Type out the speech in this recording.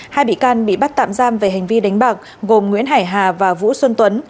hai bị can bị bắt tạm giam về hành vi đánh bạc gồm nguyễn hải hà và vũ xuân tuấn